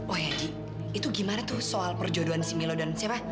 oh ya di itu gimana tuh soal perjodohan si milo dan siapa